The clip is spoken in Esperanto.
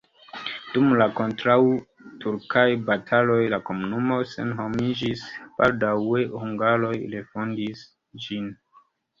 Dum la kontraŭturkaj bataloj la komunumo senhomiĝis, baldaŭe hungaroj refondis ĝin.